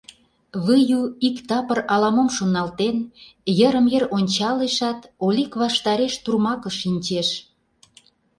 Выю, ик тапыр ала-мом шоналтен, йырым-йыр ончалешат, Олик ваштареш турмакыш шинчеш.